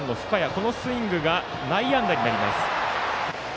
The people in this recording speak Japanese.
このスイングが内野安打になります。